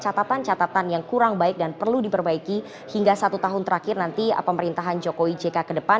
nah ini adalah catatan yang kurang baik dan perlu diperbaiki hingga satu tahun terakhir nanti pemerintahan jokowi jk kedepan